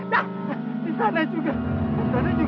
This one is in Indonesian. di sana juga pak